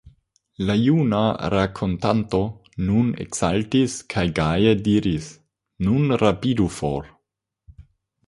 La juna rakontanto nun eksaltis kaj gaje diris: Nun rapidu for.